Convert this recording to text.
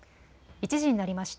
１時になりました。